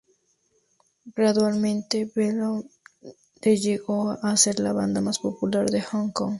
Gradualmente Beyond de llegó a ser la banda más popular en Hong Kong.